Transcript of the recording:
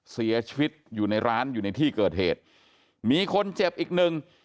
เสียชีวิตอยู่ในร้านอยู่ในที่เกิดเหตุมีคนเจ็บอีกหนึ่ง